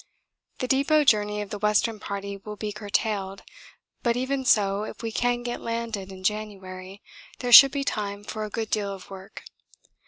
The depot journey of the Western Party will be curtailed, but even so if we can get landed in January there should be time for a good deal of work.